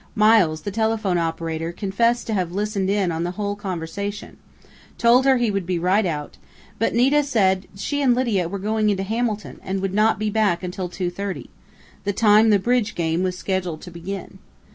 Miles the telephone operator confessed to having listened in on the Whole conversation told her he would be right out, but Nita said she and Lydia were going into Hamilton and would not be back until 2:30 the time the bridge game was scheduled to begin.